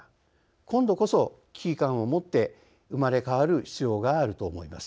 今度こそ危機感を持って生まれ変わる必要があると思います。